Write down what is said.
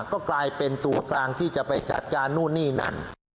ก็กลายเป็นตัวกลางที่จะไปจัดการนู่นนี่นั่น